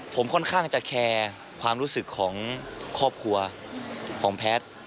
ผมค่อนข้างจะแคร์ความรู้สึกของครอบครัวของแพทย์